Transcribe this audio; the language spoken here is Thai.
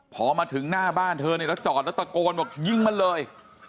พอมาถึงหน้าบ้านเธอเนี่ยแล้วจอดแล้วตะโกนบอกยิงมันเลย